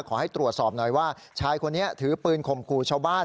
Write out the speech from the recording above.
ขอให้ตรวจสอบหน่อยว่าชายคนนี้ถือปืนข่มขู่ชาวบ้าน